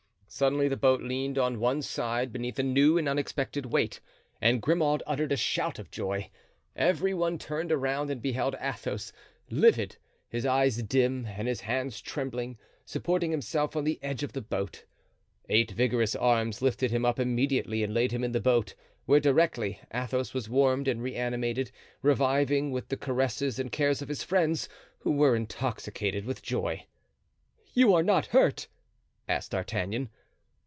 Suddenly the boat leaned on one side beneath a new and unexpected weight and Grimaud uttered a shout of joy; every one turned around and beheld Athos, livid, his eyes dim and his hands trembling, supporting himself on the edge of the boat. Eight vigorous arms lifted him up immediately and laid him in the boat, where directly Athos was warmed and reanimated, reviving with the caresses and cares of his friends, who were intoxicated with joy. "You are not hurt?" asked D'Artagnan.